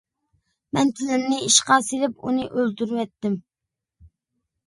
مەن تىلىمنى ئىشقا سېلىپ ئۇنى ئۆلتۈرۈۋەتتىم.